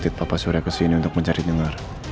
tapi papa juga harus janji kepada kami